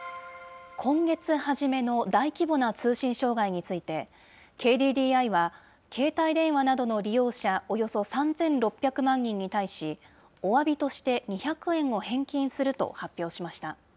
今月初めの大規模な通信障害について、ＫＤＤＩは、携帯電話などの利用者およそ３６００万人に対し、おわびとして２００円を返金すると発表しました。